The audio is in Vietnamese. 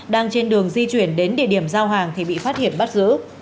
đang trên đường di chuyển đến địa điểm giao hàng thì bị phát hiện bắt giữ